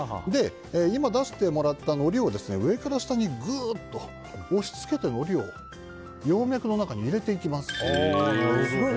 今、出してもらったのりを上から下にぐっと押し付けて、のりを葉脈の中に入れていきます。